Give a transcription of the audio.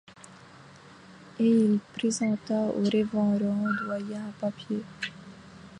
Et il présenta au révérend doyen un papier.